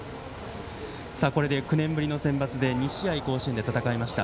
これで９年ぶりのセンバツで２試合連続で甲子園で戦いました。